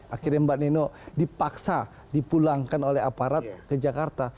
akhirnya mbak neno dipaksa dipulangkan oleh aparat ke jakarta